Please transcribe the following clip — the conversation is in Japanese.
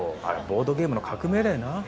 あれはボードゲームの革命だよな。